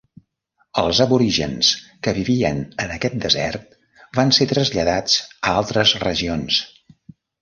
Els aborígens que vivien en aquest desert van ser traslladats a altres regions.